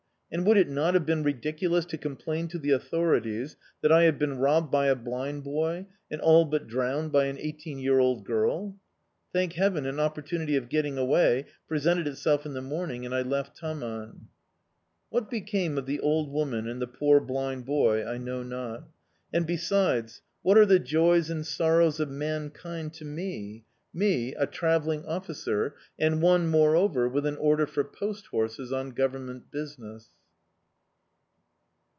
And would it not have been ridiculous to complain to the authorities that I had been robbed by a blind boy and all but drowned by an eighteen year old girl? Thank heaven an opportunity of getting away presented itself in the morning, and I left Taman. What became of the old woman and the poor blind boy I know not. And, besides, what are the joys and sorrows of mankind to me me, a travelling officer, and one, moreover, with an order for post horses on Government business?